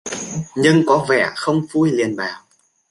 Nhưng có vẻ không vui liền bảo